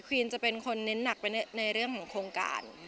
วีนจะเป็นคนเน้นหนักไปในเรื่องของโครงการ